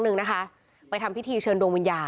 คือตอนที่แม่ไปโรงพักที่นั่งอยู่ที่สพ